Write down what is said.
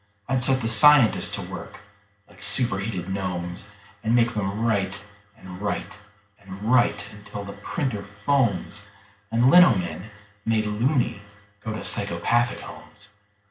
I'd set the scientists to work like superheated gnomes, And make them write and write and write until the printer foams And lino men, made "loony", go to psychopathic homes.